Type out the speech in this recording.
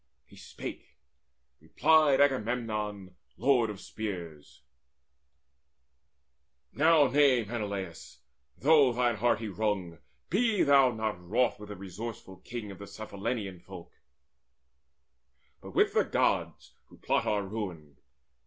He spake; replied Agamemnon, lord of spears: "Now nay, Menelaus, though thine heart he wrung, Be thou not wroth with the resourceful king Of Cephallenian folk, but with the Gods Who plot our ruin.